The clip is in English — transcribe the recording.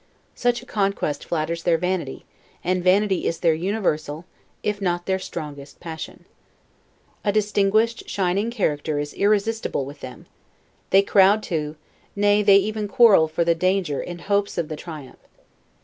Such a conquest flatters their vanity, and vanity is their universal, if not their strongest passion. A distinguished shining character is irresistible with them; they crowd to, nay, they even quarrel for the danger in hopes of the triumph.